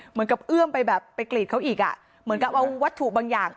เอื้อมไปแบบไปกรีดเขาอีกอ่ะเหมือนกับเอาวัตถุบางอย่าง